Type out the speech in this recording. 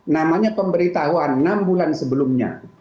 namanya pemberitahuan enam bulan sebelumnya